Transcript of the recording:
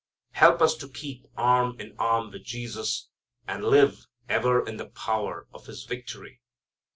Help us to keep arm in arm with Jesus, and live ever in the power of His victory.